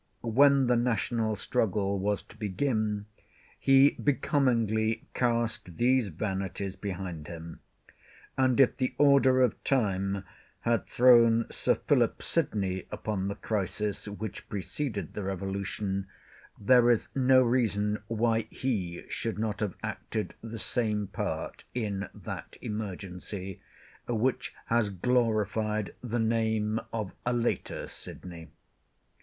When the national struggle was to begin, he becomingly cast these vanities behind him; and if the order of time had thrown Sir Philip upon the crisis which preceded the Revolution, there is no reason why he should not have acted the same part in that emergency, which has glorified the name of a later Sydney.